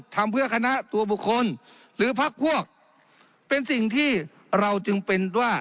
ทำเพื่อคณะตัวบุคคลหรือพักพวกเป็นสิ่งที่เราจึงเป็นว่า